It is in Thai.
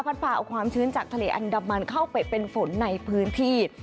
พาเอาความชื้นจากทะเลอันดามันเข้าไปเป็นฝนในพื้นที่